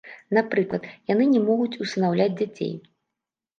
Напрыклад, яны не могуць усынаўляць дзяцей.